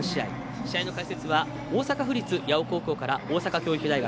試合の解説は大阪府立八尾高校から大阪教育大学。